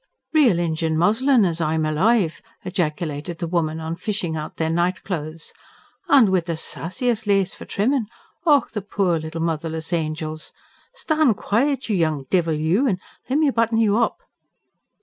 "Real Injun muslin, as I'm alive!" ejaculated the woman, on fishing out their night clothes. "An' wid the sassiest lace for trimmin'! Och, the poor little motherless angels! Stan' quiet, you young divil you, an' lemme button you up!"